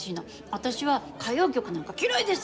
「私は歌謡曲なんか嫌いです！」